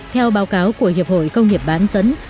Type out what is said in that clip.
theo báo cáo của hiệp hội công nghiệp bán dẫn